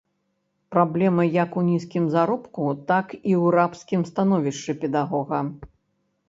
Праблема як у нізкім заробку, так і ў рабскім становішчы педагога.